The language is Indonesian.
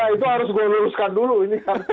ya itu harus gue luruskan dulu ini kan